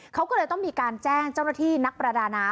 เขาก็เลยต้องมีการแจ้งเจ้าหน้าที่นักประดาน้ำ